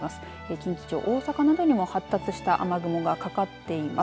近畿地方、大阪などにも発達した雨雲がかかっています。